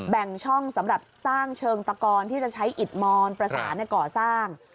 แบ่งช่องสำหรับสร้างเชิงตะกอนที่จะใช้อิดมอนประสานก่อสร้าง